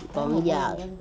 còn bây giờ